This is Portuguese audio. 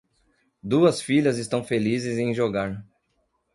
Duas filhas estão felizes em jogar